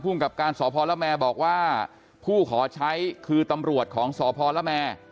กับการสพละแมบอกว่าผู้ขอใช้คือตำรวจของสพละแม